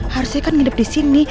harusnya kan ngidep disini